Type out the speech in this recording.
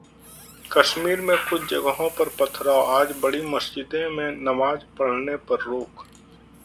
कश्मीर में कुछ जगहों पर पथराव, आज बड़ी मस्जिदों में नमाज पढ़ने पर रोक